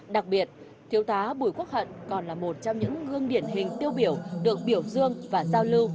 đặc biệt thiếu tá bùi quốc hận còn là một trong những gương điển hình tiêu biểu được biểu dương và giao lưu